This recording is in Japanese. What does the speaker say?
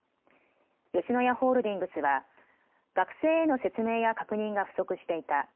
吉野家ホールディングスは学生への説明や確認が不足していた。